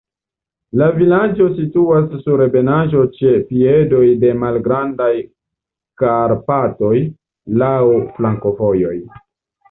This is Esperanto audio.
La vilaĝo situas sur ebenaĵo ĉe piedoj de Malgrandaj Karpatoj, laŭ flankovojoj.